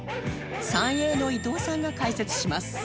サンエーの伊藤さんが解説します